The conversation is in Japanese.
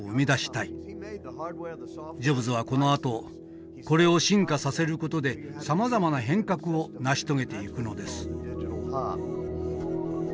ジョブズはこのあとこれを進化させる事でさまざまな変革を成し遂げていくのです。